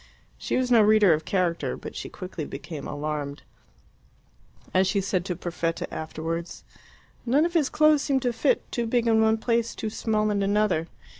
She was no reader of character, but she quickly became alarmed. As she said to Perfetta afterwards, "None of his clothes seemed to fit too big in one place, too small in another."